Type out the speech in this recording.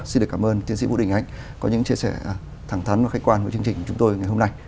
xin được cảm ơn tiến sĩ vũ đình ánh có những chia sẻ thẳng thắn và khách quan với chương trình của chúng tôi ngày hôm nay